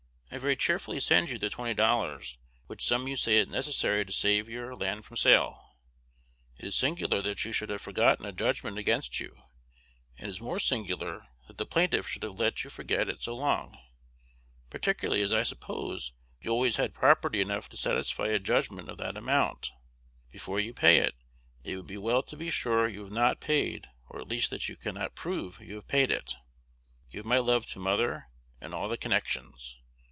I very cheerfully send you the twenty dollars, which sum you say is necessary to save your land from sale. It is singular that you should have forgotten a judgment against you; and it is more singular that the plaintiff should have let you forget it so long; particularly as I suppose you always had property enough to satisfy a judgment of that amount. Before you pay it, it would be well to be sure you have not paid, or at least that you cannot prove you have paid it. Give my love to mother and all the connections.